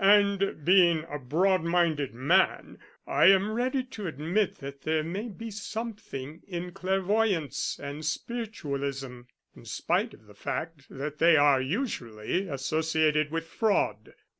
And, being a broad minded man, I am ready to admit that there may be something in clairvoyance and spiritualism, in spite of the fact that they are usually associated with fraud.